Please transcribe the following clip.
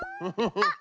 あっ！